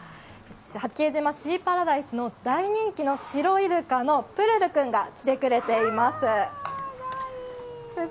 八景島シーパラダイスの大人気のシロイルカのプルル君が来てくれています。